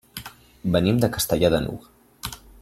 Venim de Castellar de n'Hug.